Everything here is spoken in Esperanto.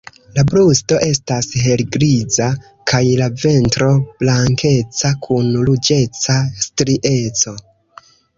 La brusto estas helgriza, kaj la ventro blankeca kun ruĝeca strieco.